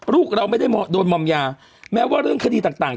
ลูกเราไม่ได้โดนมอมยาแม้ว่าเรื่องคดีต่าง